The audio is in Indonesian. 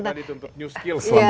kita dituntut new skill selama